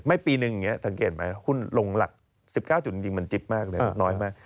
ไม่ปีนึงเนี่ยสังเกตมั้ยหุ้นลงหลัก๑๙จุดจริงมันจิ๊บมากเลยน้อยมาก